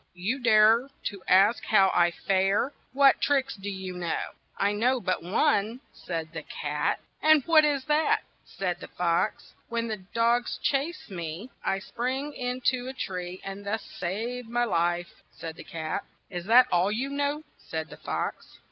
You dare to ask how I fare ! What tricks do you know ?'' "I know but one," said the cat. THE OLD MAN AND HIS GRANDSON 137 ' 'And what is that ?'' asked the fox. "When the dogs chase me, I spring in to a tree, and thus save my life," said the cat. "Is that all you know?" said the fox.